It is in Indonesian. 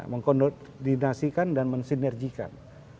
mengkoordinasikan dan mensinergikan